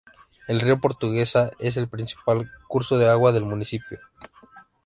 El río Portuguesa es el principal curso de agua del municipio.